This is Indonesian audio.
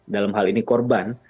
dalam hal ini korban